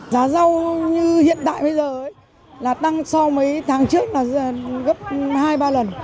giá rau như hiện tại bây giờ là tăng so với tháng trước là gấp hai ba lần